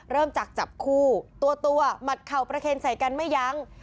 เริ่มจากจับคู่ตัวหมัดเข่าประเคนใส่กันไม่ยั้ง